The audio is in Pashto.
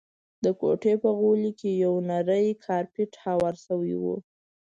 د کوټې په غولي کي یو نری کارپېټ هوار شوی وو.